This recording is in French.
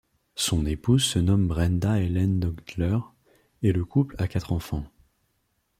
Son épouse se nomme Brenda Ellen Naugler et le couple à quatre enfants.